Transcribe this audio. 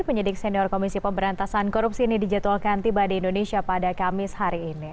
penyidik senior komisi pemberantasan korupsi ini dijadwalkan tiba di indonesia pada kamis hari ini